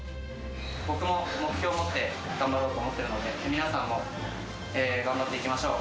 僕も目標を持って頑張ろうと思っているので、皆さんも頑張っていきましょう。